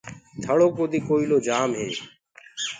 ٿݪيٚ ڪودي ڪوئيٚلو جآم هي۔